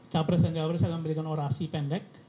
capres dan jawa jawa akan memberikan orasi pendek